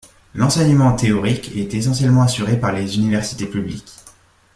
L'enseignement théorique est essentiellement assurée par les universités publiques.